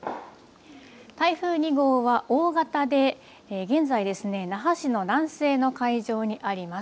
台風２号は、大型で現在ですね那覇市の南西の海上にあります。